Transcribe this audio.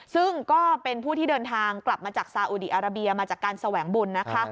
ซึ่งก็เป็นผู้ที่เดินทางกลับมาจากซาอุดีอาราเบียมาจากการแสวงบุญนะคะ